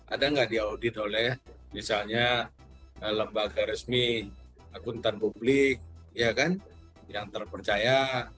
ada nggak diaudit oleh misalnya lembaga resmi akuntan publik yang terpercaya